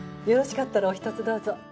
よろしかったらおひとつどうぞ。